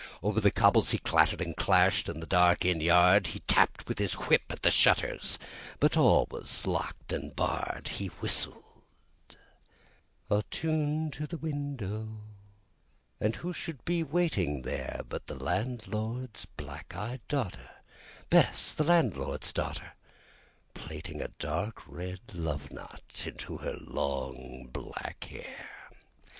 Over the cobbles he clattered and clashed in the dark inn yard, He tapped with his whip on the shutters, but all was locked and barred, He whistled a tune to the window, and who should be waiting there But the landlord's black eyed daughter Bess, the landlord's daughter Plaiting a dark red love knot into her long black hair.